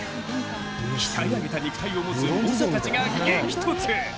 鍛え上げた肉体を持つ猛者たちが激突。